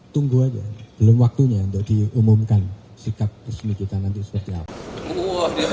tunggu aja belum waktunya untuk diumumkan sikap resmi kita nanti seperti apa